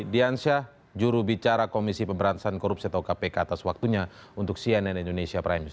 diansyah jurubicara komisi pemberantasan korupsi atau kpk atas waktunya untuk cnn indonesia prime news